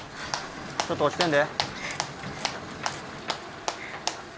ちょっと落ちてんで。